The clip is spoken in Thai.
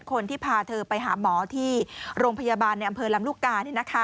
คนที่พาเธอไปหาหมอที่โรงพยาบาลในอำเภอลำลูกกา